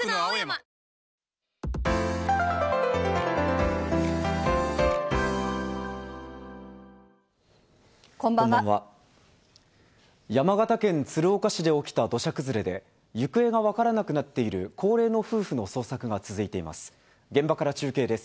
山形県鶴岡市で起きた土砂崩れで、行方が分からなくなっている高齢の夫婦の捜索が続いています。